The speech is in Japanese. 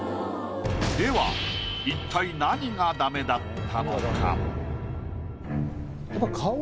では一体何がダメだったのか？